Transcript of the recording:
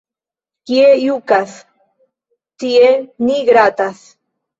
Kie jukas, tie ni gratas.